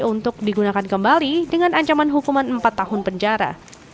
untuk digunakan kembali dengan ancaman hukuman empat tahun penjara